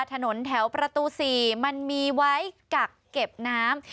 ถนนแถวประตู๔มันมีไว้กักเก็บน้ำ